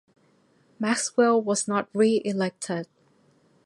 Maxwell was not re-elected.